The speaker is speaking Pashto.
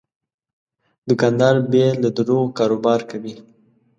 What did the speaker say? دوکاندار بې له دروغو کاروبار کوي.